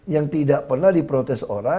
yang tidak pernah diprotes orang